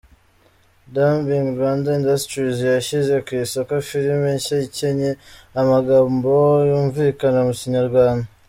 Dubbing Rwanda Industries yashyize ku isoko filimi nshya ikinnye amagambo yumvikana mu Kinyarwanda.